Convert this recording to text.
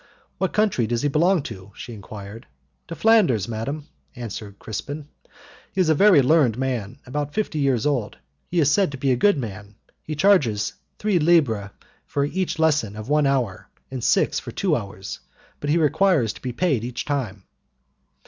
"What country does he belong to?" she enquired. "To Flanders, madam," answered Crispin, "he is a very learned man, about fifty years old. He is said to be a good man. He charges three libbre for each lesson of one hour, and six for two hours, but he requires to be paid each time."